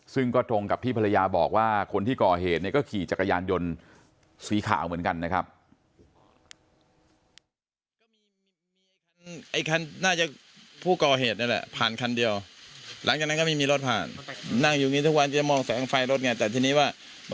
ซึ่งก็ตรงกับที่ภรรยาบอกว่าคนที่ก่อเหตุเนี่ยก็ขี่จักรยานยนต์สีขาวเหมือนกันนะครับ